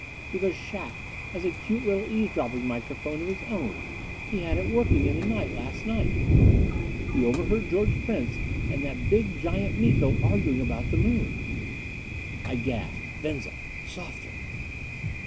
Because Shac has a cute little eavesdropping microphone of his own. He had it working in the night last night. He overheard George Prince and that big giant Miko arguing about the moon!" I gasped. "Venza, softer!"